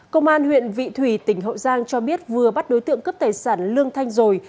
công an huyện vị thủy tỉnh hậu giang cho biết vừa bắt đối tượng cướp tài sản lương thanh rồi